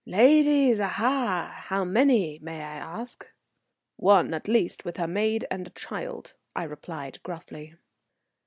"Ladies, aha! How many, may I ask?" "One at least, with her maid and a child," I replied gruffly.